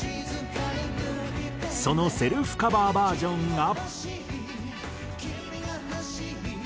そのセルフカバーバージョンが。